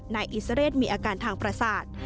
นายอิสระเรศมีอาการทางประสาท